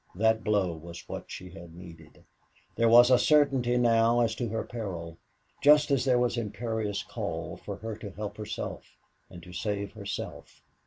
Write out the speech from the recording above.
That blow was what she had needed. There was a certainty now as to her peril, just as there was imperious call for her to help herself and save herself.